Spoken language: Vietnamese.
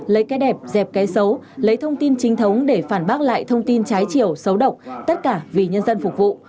lấy cái đẹp dẹp cái xấu lấy thông tin chính thống để phản bác lại thông tin trái chiều xấu độc tất cả vì nhân dân phục vụ